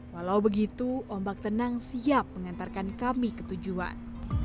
walau begitu ombak tenang siap mengantarkan kami ke tujuan